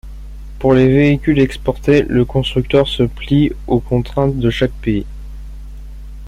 Pour les véhicules exportés, le constructeur se plie aux contraintes de chaque pays.